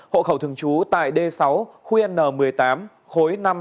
hộ khẩu thường trú tại d sáu khu n một mươi tám khối năm